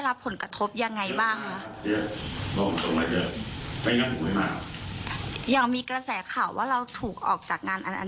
แต่ตอนนี้คือยังทำงานอยู่ใช่ไหมครับ